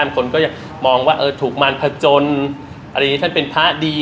บางคนก็จะมองว่าเออถูกมารพจนอันนี้ฉันเป็นพระดี